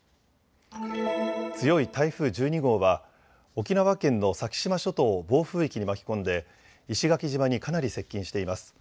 強い台風１２号は沖縄県の先島諸島を暴風域に巻き込んで石垣島にかなり接近しています。